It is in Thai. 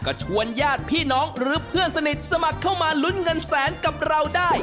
ก็ชวนญาติพี่น้องหรือเพื่อนสนิทสมัครเข้ามาลุ้นเงินแสนกับเราได้